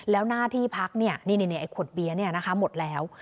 แล้วหน้าที่พักเนี่ยนี่ไอ้ขวดเบียร์เนี่ยนะคะหมดแล้ว